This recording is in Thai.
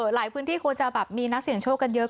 หลายพื้นที่ควรจะแบบมีนักเสี่ยงโชคกันเยอะ